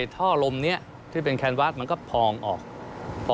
ท่อลมนี้ที่เป็นแคนวาสมันก็พองออก